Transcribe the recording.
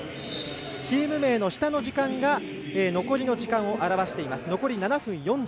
チーム名の下の時間が残りの時間を表しています。